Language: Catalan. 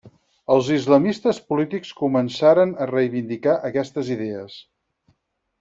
Els islamistes polítics començaren a reivindicar aquestes idees.